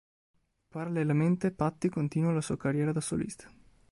Parallelamente Patti continua la sua carriera da solista.